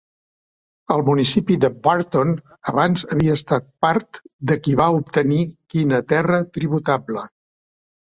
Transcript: El municipi de Burton abans havia estat part de qui va obtenir quina terra tributable.